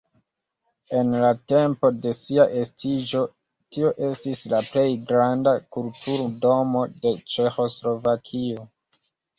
En la tempo de sia estiĝo tio estis la plej granda kulturdomo en Ĉeĥoslovakio.